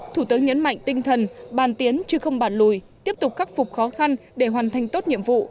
thủ tướng nhấn mạnh tinh thần bàn tiến chứ không bàn lùi tiếp tục khắc phục khó khăn để hoàn thành tốt nhiệm vụ